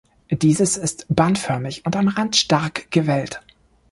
Dieses ist bandförmig und am Rand stark gewellt.